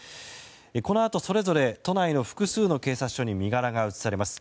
このあとそれぞれ都内の複数の警察署に身柄が移されます。